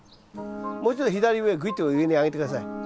もうちょっと左上へぐいっと上に上げて下さい。